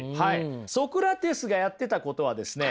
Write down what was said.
ソクラテスがやってたことはですね